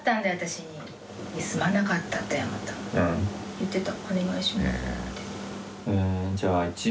言ってた。